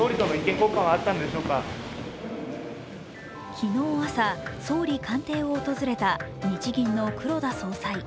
昨日朝、総理官邸を訪れた日銀の黒田総裁。